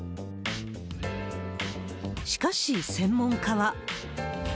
しかし専門家は。